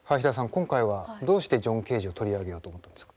今回はどうしてジョン・ケージを取り上げようと思ったんですか？